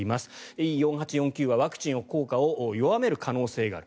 Ｅ４８４Ｑはワクチンの効果を弱める可能性がある。